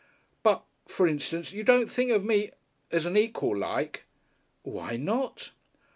"But for instance you don't think of me as an equal like." "Why not?"